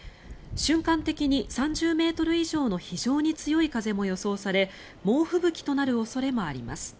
瞬間的に３０ｍ以上の非常に強い風も予想され猛吹雪となる恐れもあります。